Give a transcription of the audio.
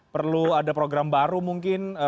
perlu ada program baru mungkin